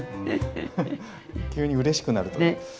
急にうれしくなると。